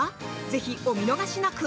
ぜひお見逃しなく！